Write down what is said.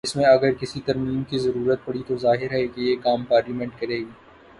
اس میں اگر کسی ترمیم کی ضرورت پڑی تو ظاہر ہے کہ یہ کام پارلیمنٹ کر ے گی۔